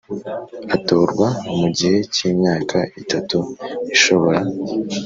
Atorwa mu gihe cy imyaka itatu ishobora